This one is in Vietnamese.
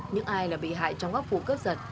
những ai là bị hại trong các vụ cướp giật